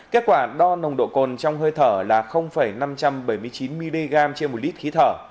kết quả đo nồng độ cồn trong hơi thở là năm trăm bảy mươi chín mg trên một lít khí thở